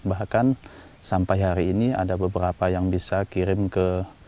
bahkan sampai hari ini ada beberapa yang bisa kirim ke